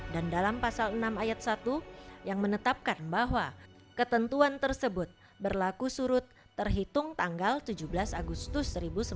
dan dalam pasal enam ayat satu yang menetapkan bahwa ketentuan tersebut berlaku surut terhitung tanggal tujuh belas agustus seribu sembilan ratus empat puluh lima